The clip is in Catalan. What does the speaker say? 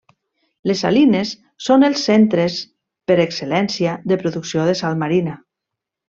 Les salines són els centres per excel·lència de producció de sal marina.